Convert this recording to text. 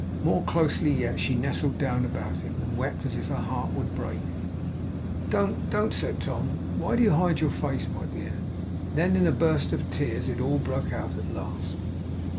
More closely yet, she nestled down about him; and wept as if her heart would break. 'Don't. Don't,' said Tom. 'Why do you hide your face, my dear!' Then in a burst of tears, it all broke out at last.